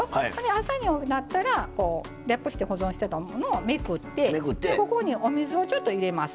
朝になったらラップして保存してたものをめくってここにお水をちょっと入れます。